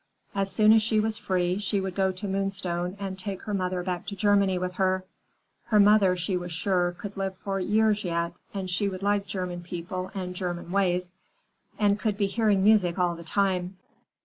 As soon as she was free, she would go to Moonstone and take her mother back to Germany with her. Her mother, she was sure, could live for years yet, and she would like German people and German ways, and could be hearing music all the time.